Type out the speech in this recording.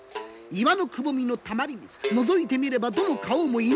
岩のくぼみのたまり水のぞいてみればどの顔も犬。